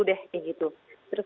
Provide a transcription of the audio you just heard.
tujuh dua puluh deh ya gitu terus